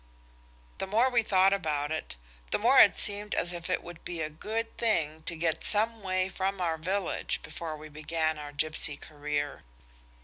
The more we thought of it the more it seemed as if it would be a good thing to get some way from our village before we began our gipsy career.